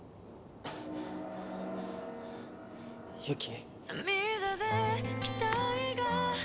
ユキ？